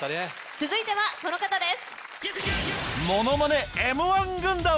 続いてはこの方です。